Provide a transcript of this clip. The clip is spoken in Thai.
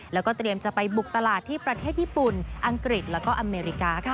แล้วก็เตรียมจะไปบุกตลาดที่ประเทศญี่ปุ่นอังกฤษแล้วก็อเมริกาค่ะ